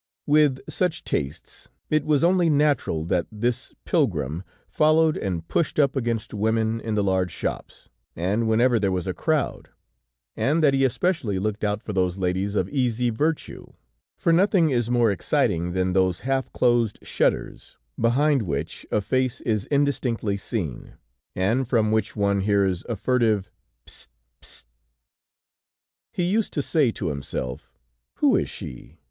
With such tastes, it was only natural that this pilgrim followed and pushed up against women in the large shops, and whenever there was a crowd, and that he especially looked out for those ladies of easy virtue, for nothing is more exciting than those half closed shutters, behind which a face is indistinctly seen, and from which one hears a furtive: "P'st! P'st!" He used to say to himself: "Who is she?